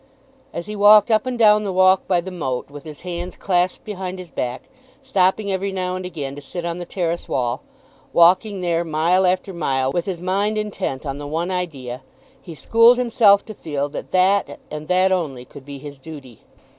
As he walked up and down the walk by the moat, with his hands clasped behind his back, stopping every now and again to sit on the terrace wall, walking there, mile after mile, with his mind intent on the one idea, he schooled himself to feel that that, and that only, could be his duty.